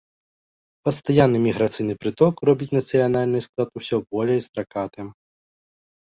Пастаянны міграцыйны прыток робіць нацыянальны склад усё болей стракатым.